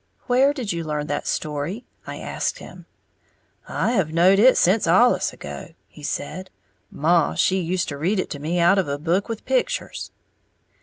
"Where did you learn that story?" I asked him. "I have knowed it sence allus ago," he said; "Maw she used to read it to me out of a book with pictures."